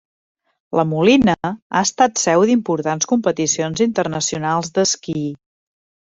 La Molina ha estat seu d'importants competicions internacionals d'esquí.